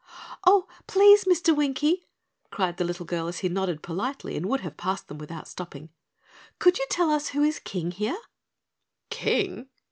"Oh, please, Mr. Winkie," cried the little girl as he nodded politely and would have passed them without stopping, "could you tell us who is King here?" "King?"